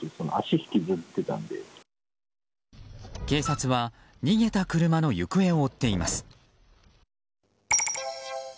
警察は逃げた車の行方を追っています。